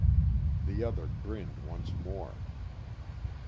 The other grinned once more.